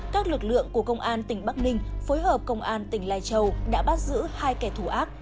các lực lượng của công an tỉnh bắc ninh phối hợp công an tỉnh lai châu đã bắt giữ hai kẻ thù ác